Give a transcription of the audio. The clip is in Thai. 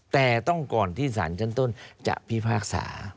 แต่ต้องก่อนที่สารชั้นต้นจะพิพากษา